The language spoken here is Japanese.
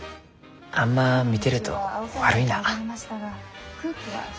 あんま見てると悪いな。ですね。